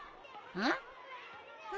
うん？